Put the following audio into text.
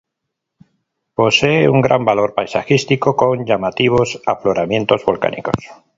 Posee un gran valor paisajístico, con llamativos afloramientos volcánicos.